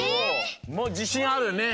もうじしんあるよね？